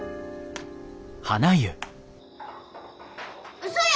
うそや！